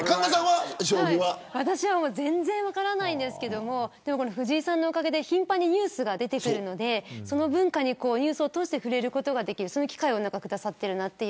私は全然分からないんですけど藤井さんのおかげで頻繁にニュースが出てくるのでその文化に、ニュースを通して触れることができる機会を下さっている。